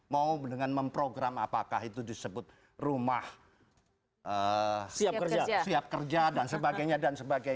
mau dengan memprogram apakah itu disebut rumah siap kerja dan sebagainya